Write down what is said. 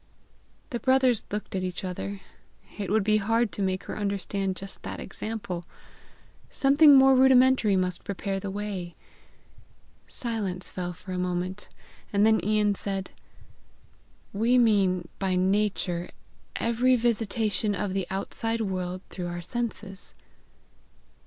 The brothers looked at each other: it would be hard to make her understand just that example! Something more rudimentary must prepare the way! Silence fell for a moment, and then Ian said "We mean by nature every visitation of the outside world through our senses."